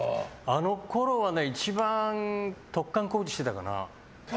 あのころは一番、突貫工事してたかな。